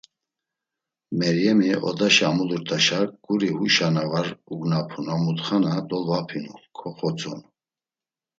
Meryemi, odaşa amulurt̆uşa guri huyşa na var ugnapun a mutxa na dolvapinu koxvotzonu.